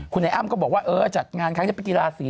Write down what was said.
คุณนัยอ้ำก็บอกว่าเออจัดงานค่ะจะไปกีฬาสี